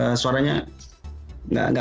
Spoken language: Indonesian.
maaf maaf suaranya tidak keringat